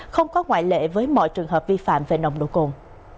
không có ngoại lệ với mọi trường hợp vi phạm về nồng độ cồn